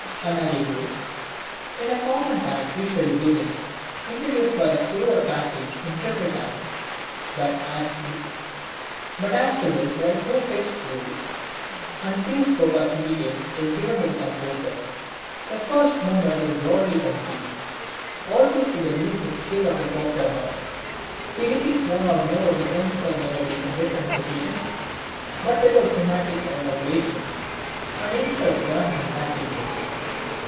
An allegro in common time usually begins, introduced by a slower passage in triple time; but as to this there is no fixed rule, and free scope as to details is given to the composer. The first movement is broadly conceived, always with a view to the skill of the performer; he repeats one or more of the principal melodies in different positions, but without thematic elaboration, and inserts runs and passages.